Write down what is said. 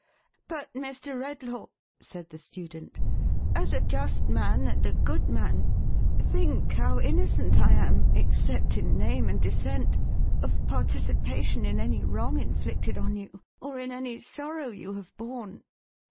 "But, Mr. Redlaw,11 said the student, "as a just man, and a good man, think how innocent I am, except in name and descent, of participation in any wrong inflicted on you, or in any sorrow you have borne.